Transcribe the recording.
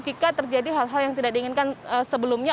jika terjadi hal hal yang tidak diinginkan sebelumnya